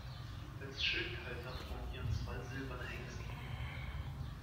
Als Schildhalter fungieren zwei silberne Hengste.